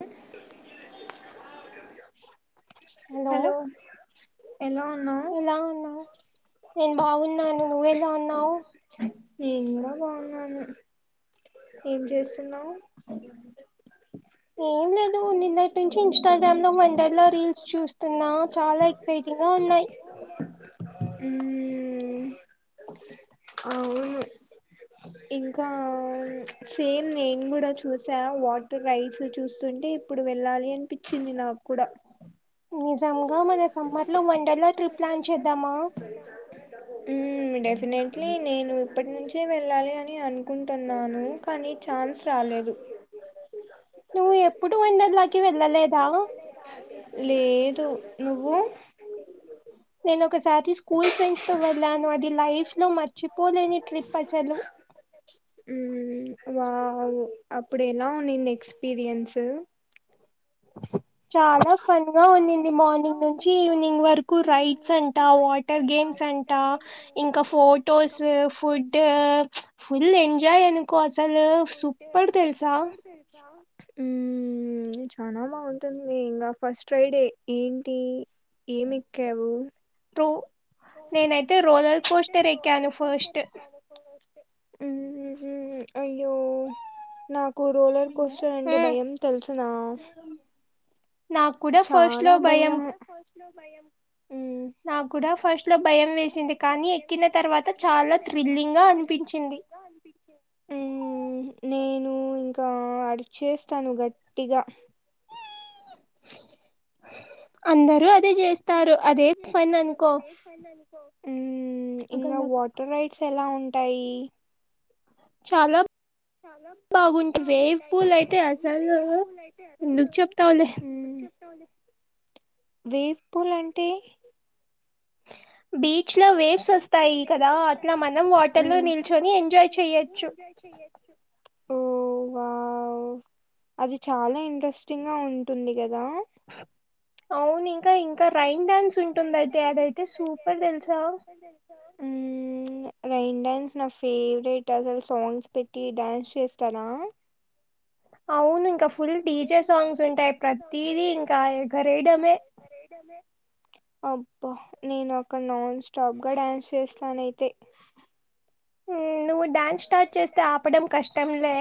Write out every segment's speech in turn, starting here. అ hello ఎలా ఉన్నావ్ నేను బాగున్నాను నువ్వేలా ఉన్నావ్ బాగున్నాను ఏం చేస్ ఏం లేదు నిన్నటి నుంచి ఇన్స్టాగ్రామ్ లో వన్ డర్ లో రీల్స్ చూస్తున్నా చాలా ఎక్సైటింగ ఉన్నాయ్ మ్ అవును ఇంకా సేమ్ నేను కూడా చూసా వాటర్ రైడ్స్ చూస్తుంటే ఇప్పుడు వెళ్ళాలి అనిపించింది నా క్కుడ జంగా మన సమ్మర్ లో వండర్లా ట్రిప్ ప్లాన్ చేద్దామా మ్ డెఫినెట్లీ నేను ఇప్పటి నుంచే వెళ్ళాలి అని అనుకుంటున్నాను కానీ ఛాన్స్ రాలేదు నువ్వు ఎప్పుడు వండర్లాకి వెళ్ళలేదా లేదు నువ్వు ఒక్కసారి స్కూల్ ఫ్రెండ్స్ తో వెళ్ళాను అది లైఫ్ లో మర్చిపోలేని ట్రిప్ అసలు మ్ వావ్ అప్పుడు ఎలా ఉనింది ఎక్స్పీీరియన్స్ అ చాలా ఫన్ గా ఉనింది మార్నింగ్ నుంచి ఈవినింగ్ వరకు రైడ్స్ అంట వాటర్ గేమ్స్ అం అంట ఇంకా ఫొటోస్ ఫుడ్ ఫుల్ ఎంజాయ్ అను కో అసలు సూపర్ తెలుసా మ్ చాలా బాగుంటుంది ఇంగ ఫస్ట్ ఫ్రైడే ఏంటి ఏమేక్కావు నేనైతే రోలర్ పోస్టర్ ఎక్కాను ఫస్ట్ మ్ మ్ అయ్ య్యో నాకు రోలర్ కోస్టార్ అంటే భయం తెలుసునా చాన భయము నా కూడ ఫస్ట్ లో భయం లేేచింది కానీ ఎక్కిన తర్వాత చాల [unintelligible] అనిపించింది నేను ఇంకా అరిచేస్తాను గట్టిగ అందరు అందరు అదే చేస్తారు అదే పని అనుకో ఇంకా వాటర్ రైడ్స్ ఎలా ఉంటాయి అ చాల బాగుంటాయి ఎస్పెషలీ వే పూల్ అయితే అల వేప పూల [unintelligible] బి బీచ్ లో వేవ్స్ వస్తాయి కదా అ మనం వాటర్ లో నిల్చొని ఎంజాయ్ చెయొచ్చు ఓ వావ్ అది చాలా ఇంట్రెస్టింగ్ గా ఉంటుంది కదా అవును ఇంకా ఇంకా రైన్ డ్యాన్స్ ఉంటుంది అయితే అదైతే సూపర్ తెలుసా రైన్ డాన్స్ నా ఫేవరెట్ అసలు సాంగ్స్ పెట్టి డ్యాన్స్ చేస్తార అవును ఇంక ఫుల్ టీచర్ సాంగ్స్ ఉంటాయి ప్రతీది ఇంకా ఎగరేయడమే అబ్బా నేను అక్కడ నాన్ స్టాప్ గా డాన్స్ చేస్తానయితే నువ్వు డ్యాన్స్ స్టార్ట్ చేస్తే ఆపడం కష్టంలే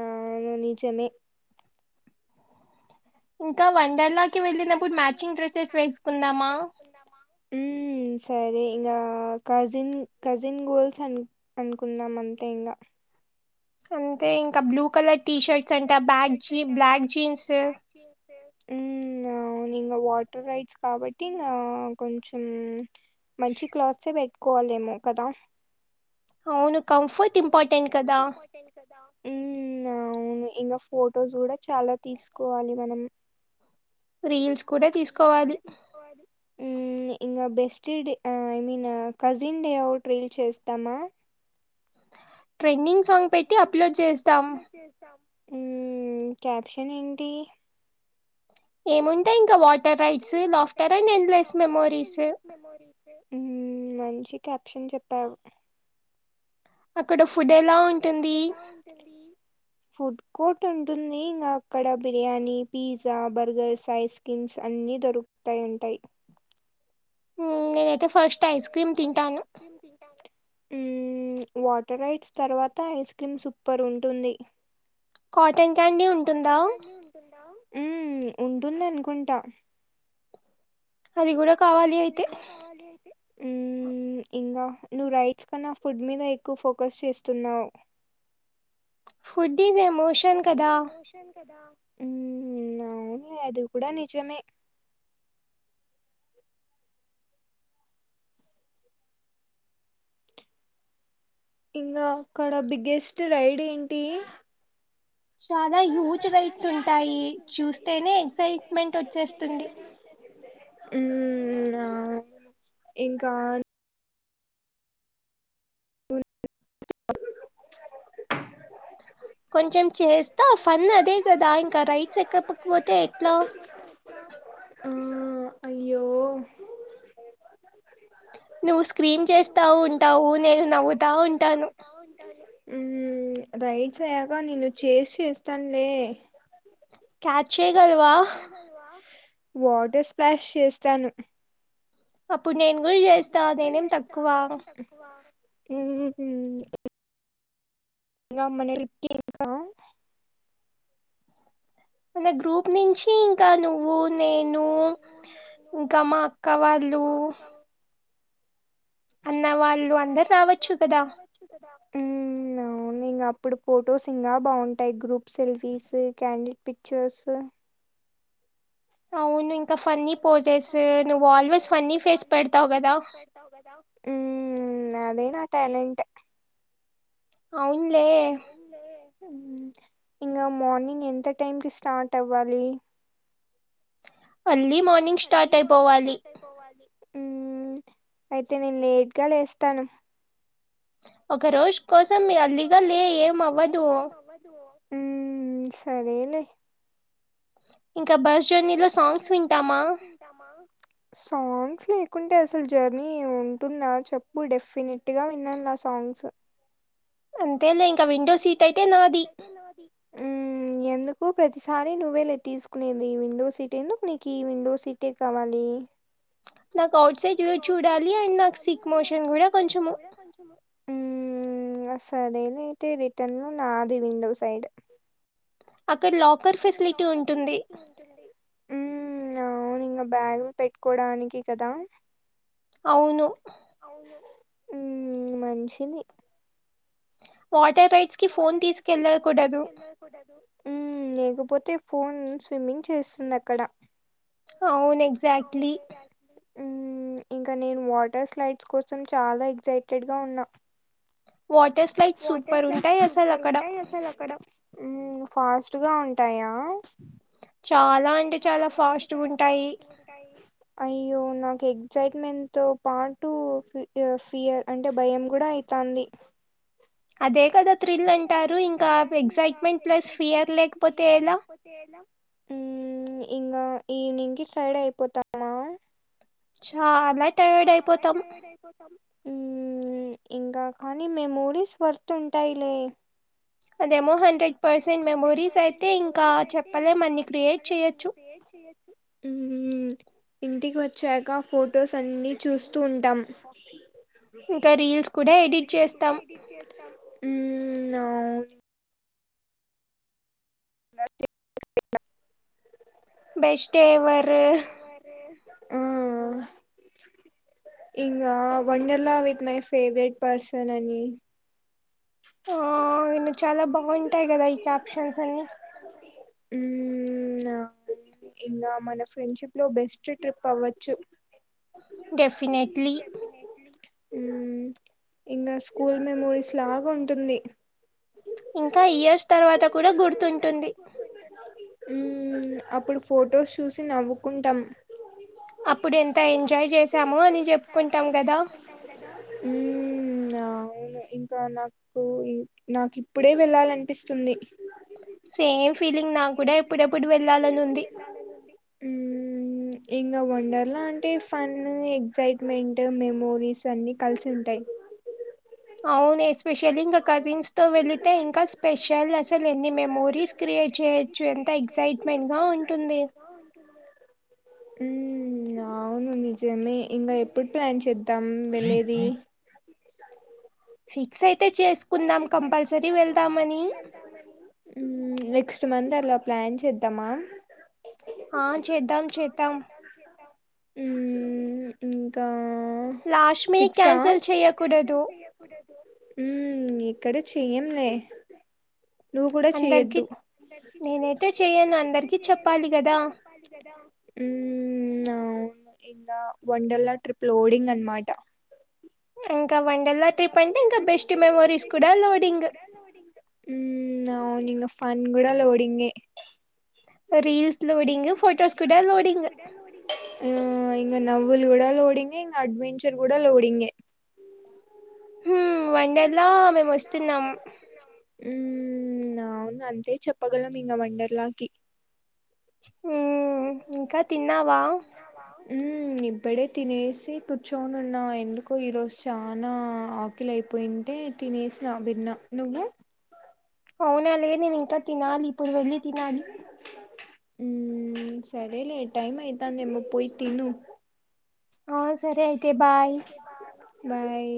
అవును నిజమే ఇంకా వండలాకి వెళ్ళినప్పుడు మ్యాచింగ్ డ్రసెస్సుకుందమా సరే ఇంకా కజిన్ కజిన్ గోల్స్ అ అనుకుందాం అంతే ఇంగ అంతే ఇంకా బ్లూ కలర్ టీషర్ట్స్ అంట బ్యాక్ జీ బ్లాక్ జీన్స్ అవు ఇంకా వాటర్ రైట్స్ కాబట్టి ఇంగ కొంచం మంచి క్లాత్సే పెట్టుకోవాలేమో కదా అవును ఫోటోస్ కూడ చాల తీసుకోవాలి మనం హు ఇంకా best I mean cousin day out reel చేద్దామ ట్రెండింగ్ సాంగ్ పెట్టి అప్లోడ్ చేస్తం హు క్యాప్షన్ ఏంటి ఏమో [inaudible] మంచి క్యాప్షన్ చెప్పావు అక్కడ ఫుడ్ ఎలా ఉంటుంది కోట్ ఉంటుంది ఇంకా అక్కడ biryani pizza burgers ice creams అన్నీ దొరు [unintelligible] నేనైతే ఫస్ట్ ఐస్ క్రీమ్ తింటాను ఉ వాటర్ రైట్స్ తర్వాత ఐస్ క్రీమ్ సూపర్ ఉంటుంది కాటన్ క్యాండీ ఉంటుంద ఉంటుంది అనుకుంట అది కూడ అది కూడ కావాలి అయితే అ ఉమ్ ఇంగా నువ్వు రైట్స్ కన్నా ఫుడ్ మీద ఎక్కువ ఫోకస్ చేస్తున్నావ్ ఫుడ్ ఇజ్ ఎమోషన్ కదా. ఉమ్ అవును అది కూడా నిజమే. ఇంగా అక్కడ బిగ్గెస్ట్ రైడ్ ఏంటి? ఉమ్ ఆ ఇంకా కొంచెం చేస్తా ఫన్ అదే కదా, ఇంకా రైడ్స్ ఎక్కప్పకపోతే ఎట్లా? ఆ అయ్యో నువ్వు స్క్రీన్ చేస్తా ఉంటావు, నేను నవ్వుతా ఉం నవవుతా ఉంటా ఉమ్ రైడ్స్ అయ్యాక నేను చేసి చేస్తానులే. క్యా వాటర్ స్ప్లాష్ చేస్తాను. అప్పుడు నేను కూడ చేస్తా నేనేం తక్కువా? ఉహు ఇంగా మనల్కి ఇంకా మన గ్రూప్ నించి అంటే దూకు నుంచి ఇంటా నువ్వు నేను అమ్మా అక్క అన్న వాళ్ళు అందరు రావచ్చు కదా. అవువు ఇంగా అప్పుడు ఫొటోస్ ఇంగా బాగుంటాయి, గ్రూప్ సెల్ఫీస్, క్యాండడ్ పిక్చర్స్ సవునిన్ ఉమ్ అద్ నేనా ట్యాలెంటె అవునులే ఇంగా మార్నింగ్ ఎంత టైంకిి స్టార్ట్ అవ్వాలి? అల్లి అర్లీ మార్నింగ్ స్టార్ట్ అయిపోవాలి ఉమ్ అయితే నేను లేట్గా లేస్తాను. ఒక రోజు కోసం మీ ఎర్లీగా లే ఏం అవ్వదు. ఉమ్ సరేలే. సాంగ్స్ లె కుంటే అసలు జర్నీ ఉంటుందా చెప్పు, డెఫినెట్ గా విన్నాను నా సాంగ్స్. ఉమ్ ఎంద్ ఎందుకు ప్రతిసారి నువ్వేలె తీసుకునేది, విండో సీట్ ఎందుకు నీకు ఈ విండో సీటే కావాలి? నాకు అఔట్ సైడ్ వ్యూ చూడాలి అండ్ నాకు సిక్ మోషన్ గూడ కొంచము. ఉమ్ సరే అయితే రిటర్న్ లో నాది విండో సైడ్ అక్కడ లాకర్ ఫెసిలిటీ ఉంటుంది. ఉమ్ అవును ఇంగ బ్యాగు్లు పెట్టుకోడానికి కదా. అవును. ఉమ్ మంచిది. వాట్ వాటర్ అయితే ఫోన్ తీస్కెళ్ళ కూడదు మ్ లేకపోతే ఫోన్ స్విమ్మింగ్ చేస్తుంది అక్కడ అవును ఎగ్జాక్ట్లీ ఇంకా నేను వాటర్ స్లైడ్స్ కోసం చాలా ఎక్సైటెడ్గా ఉన్నా వాటర్ స్లైడ్స్ సూపర్ ఉంటాయి అసలు అక్కడ మ్ ఫాస్ట్గా ఉంటాయా చాలా అంటే చాలా ఫాస్ట్గ ఉంటాయి అయ్యో నాక్ ఎగ్జైట్మెంట్ తో పాటు ఫియర్ అంటే భయం కూడా అయితాంది అదే అదే కదా థ్రిల్ అంటారు ఇంకా ఎగ్సైట్మెంట్ ప్లస్ ఫియర్ లేకపోతే ఎలా ఇంకా ఈవినింగ్కి టైడ్ అయిపోతామా చాలా టయర్డ్ అయిపోతాము ఉమ్ ఇంగ కానీ మెమోరీస్ వర్త్ ఉంటాయిలే అదేమో హండ్రెడ్ పర్సెంట్ మెమోరీస్ అయితే ఇంకా చెప్పలేం అండి క్రియేట్ చేయ హ్మ్ ఇంటికి వచ్చాక ఫొటోస్ అన్ని చూస్తూ ఉంటాం ఇంక రీల్స్ కూడ ఎడిట్ చేస్తాము [inaudible] బెస్టీ ఎవరు ఇంగ Wonderla with my favourite person అని ఆ అయిన చాలా బావుంటాయి కదా ఈ క్యాప్షన్స్ అన్ని మ్మ్ అవును ఇంగ మన ఫ్రెండ్షిప్లో బెస్ట్ ట్రిప్ అవ్వచ్చు డెఫినెట్లీ మ్ ఇంగ స్కూల్ మెమోరీస్ లాగా ఉంటుంది ఇంకా ఇయర్స్ తర్వాత కూడా గుర్తుంటుంది ఉమ్ అప్పుడు ఫొటోస్ చూసి నవ్వుకుంటాం అప్పుడు ఎంత ఎంజాయ్ చేసామో అని చెప్పుకుంటాం కదా మ్ అవును ఇంకా నాకు నాకు ఇప్పుడే వెళ్ళాలనిపిస్తుంది సేఫ్ సేమ్ ఫీలింగ్ నాకు కూడా ఎప్పుడెప్పుడు వెళ్ళాలనుంది ఇంగ వండర్లా అంటే ఫన్ ఎగజైట్మెంట్ మెమోరీస్ అన్ని కలిసి ఉంటాయి వువును ఎస్పెష్ ఇంగ కజిన్స్తో వెళితే ఇంకా స్పెషల్ అసలు ఎన్ని మెమోరీస్ క్రియేట్ చేయొచ్చు ఎంత ఎగ్జైట్‌మెంట్‌గా ఉంటుంది ఉమ్ అవును నిజమే ఇంగ ఎప్పుడు ప్లాన్ చేద్ తం వెళ్లేది ఫిక్స్ అయి నైటే చేసుకుందం కంపల్సరీ వెళ్దాం అండి మ్ నెక్స్ట్ మంత్ అలా ప్లాన్ చేద్దామా ఆ చేద్దాం చేద్దాం ఉమ్మ్ ఇంకా ఫిక్సా లక్ష్మీ క్యానిల్ చెయకూడదు ఉ ఇక్కడే చెయ్యంలే నువ్వు కూడా చెయ్యద్దు ఊ నౌ కింద వండర్లా ట్రిప్ లోడింగ్ అన్మాట ఊమ్ న అవును ఇంగ ఫన్ గుడా లోడింగే అరీ అట్ ద రీల్స్ కోడింగే ఫోటస్ కుడా లోడింగే ఇంగ నవ్వులు గుడా లోడింగే ఇంగ అడ్వెన్ంచర్ గుడా లోడింగే హూ వండర్లా మేమొస్తున్నామ్ ఊమ్ అవును అంతే చెప్పగలం ఇంగ వండర్లాకి ఊ ఇంకా తిన్నావా ఉ ఇబ్బుడే తినేసి కుచ్చోనున్నా ఎందుకో ఈ రోజ్ చానా ఆకిల్ అయిపోయ్ అంటే తినేస్నా భిన్న నువ్వు అవునా లే అవునా లేదు ఇప్పుడే తినాలని [inaudible] ఊమ్ సరేలే టైం అయితాందేమొ పొయ్యి తినూ ఆ సరే ఐతే బాయ్ బాయ్